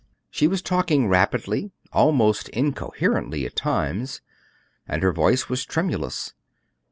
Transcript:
She was talking rapidly almost incoherently at times and her voice was tremulous.